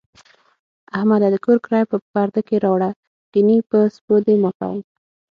احمده! د کور کرایه په پرده کې راوړه، گني په سپو دې ماتوم.